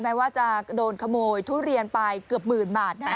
แม้ว่าจะโดนขโมยทุเรียนไปเกือบหมื่นบาทนะ